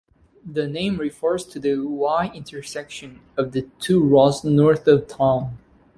The name refers to the Y-intersection of the two roads north of town.